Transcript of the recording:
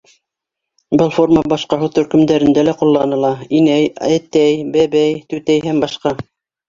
Был форма башҡа һүҙ төркөмдәрендә лә ҡулланыла: инәй, әтәй, бәбәй, түтәй һәм башҡа